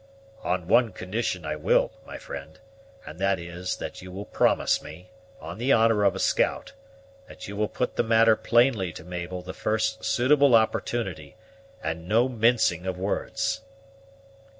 "On one condition I will, my friend; and that is, that you will promise me, on the honor of a scout, that you will put the matter plainly to Mabel the first suitable opportunity, and no mincing of words."